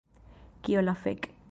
Kio la fek'